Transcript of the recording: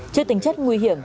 trước tính chất nguy hiểm